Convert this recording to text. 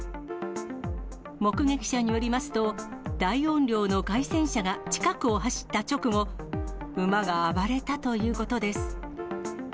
目撃者によりますと、大音量の街宣車が近くを走った直後、馬が暴れたということです。